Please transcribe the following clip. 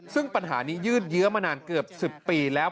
ซึ่งปัญหานี้ยืดเยื้อมานานเกือบ๑๐ปีแล้ว